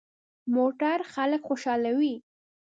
موټر خلک خوشحالوي.